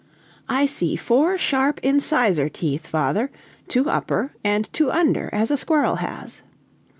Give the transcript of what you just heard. "I see four sharp incisor teeth, father two upper, and two under, as a squirrel has."